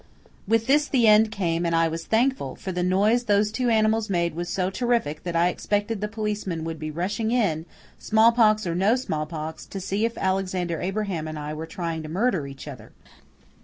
With this the end came and I was thankful, for the noise those two animals made was so terrific that I expected the policeman would be rushing in, smallpox or no smallpox, to see if Alexander Abraham and I were trying to murder each other.